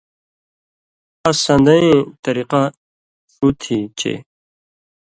اس سݩدئیں طریۡقہ ݜُو تھی چے